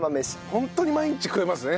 ホントに毎日食えますね。